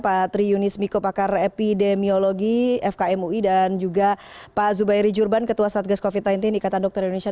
pak tri yunis miko pakar epidemiologi fkm ui dan juga pak zubairi jurban ketua satgas covid sembilan belas ikatan dokter indonesia